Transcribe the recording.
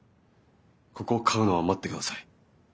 ここを買うのは待ってください。